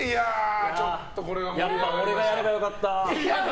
やっぱ俺がやればよかった。